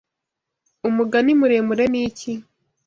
Umugani muremure ni iki